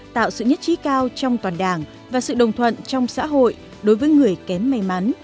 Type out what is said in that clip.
tạo sự nhất trí cao trong toàn đảng và sự đồng thuận trong xã hội đối với người kém may mắn